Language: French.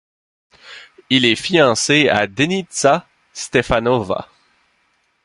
Il est fiancé à Denitza Stefanova.